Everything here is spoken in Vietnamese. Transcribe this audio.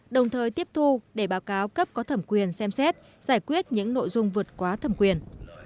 đồng thời tiếp thu để báo cáo cấp có thẩm quyền xem xét giải quyết những nội dung vượt quá thẩm quyền